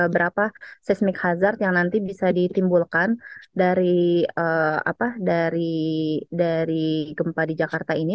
berapa seismik hazard yang nanti bisa ditimbulkan dari gempa di jakarta ini